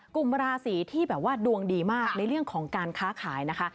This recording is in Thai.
กลุ่มราศีที่แบบว่าดวงดีมากในเรื่องของการค้าขายนะคะ